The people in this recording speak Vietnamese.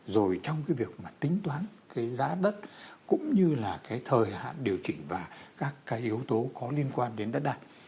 rồi trong cái việc mà tính toán cái giá đất cũng như là cái thời hạn điều chỉnh và các cái yếu tố có liên quan đến đất đai